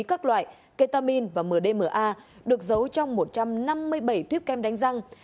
các loại ketamin và mdma được giấu trong một trăm năm mươi bảy tuyếp kem đánh răng